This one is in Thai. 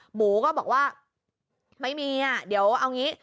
หมูก็บอกว่าไม่มีอ่ะเดี๋ยวเอางี้